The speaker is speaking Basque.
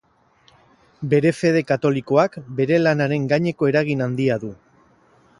Bere fede katolikoak bere lanaren gaineko eragin handia du.